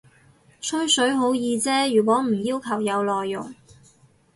吹水好易啫，如果唔要求有內容